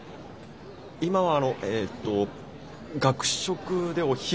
今はあのえっと学食でお昼をはい。